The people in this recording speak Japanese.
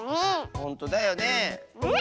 ほんとだよね。